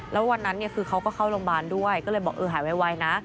แล้ววันนั้นคือเขาก็เข้าโรงพยาบาลด้วยก็เลยบอกเออหายไวนะ